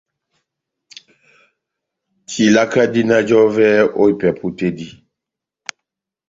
Tilaka dina jɔvɛ ó ipɛpu tɛ́ dí.